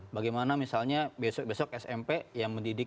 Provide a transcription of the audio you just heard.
bagaimana misalnya besok besok smp yang mendidik